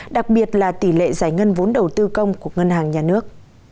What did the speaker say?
đặc biệt là tỷ lệ giải ngân vốn đầu tư công của ngân hàng nhà nước